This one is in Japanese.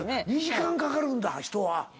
２時間かかるんだ人は。